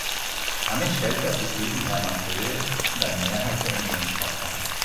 Damit stellte er sich gegen Hermann Gröhe und eine Mehrheit der Unionsparteien.